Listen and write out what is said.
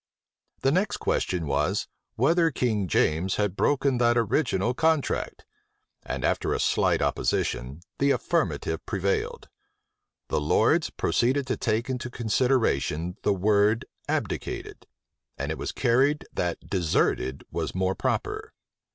The next question was, "Whether King James had broken that original contract?" and, after a slight opposition, the affirmative prevailed. The lords proceeded to take into consideration the word abdicated; and it was carried that deserted was more proper.